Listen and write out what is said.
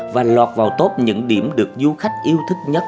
và lọt vào tốt những điểm được du khách yêu thích nhất